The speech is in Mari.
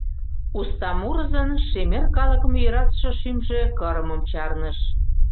Уста мурызын шемер калыкым йӧратыше шӱмжӧ кырымым чарныш.